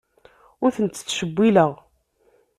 Ur tent-ttcewwileɣ.